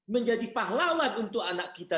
menjadi pahlawan untuk anak kita